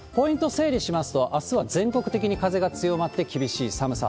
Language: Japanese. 整理しますと、あすは全国的に風が強まって厳しい寒さ。